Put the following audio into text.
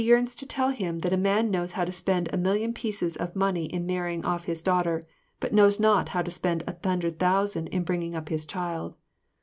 She yearns to tell him that a man knows how to spend a million pieces of money in marrying off his daughter, but knows not how to spend a hundred thousand in bringing up his child.